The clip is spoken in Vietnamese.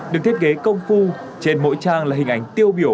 được thiết kế công phu trên mỗi trang là hình ảnh tiêu biểu